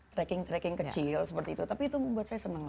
tracking tracking kecil seperti itu tapi itu membuat saya senang